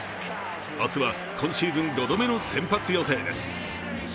明日は、今シーズン５度目の先発予定です。